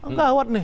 nggak awet nih